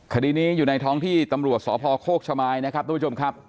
คดีนี้อยู่ในท้องที่ตำรวจสพโคกชมายนะครับทุกผู้ชมครับ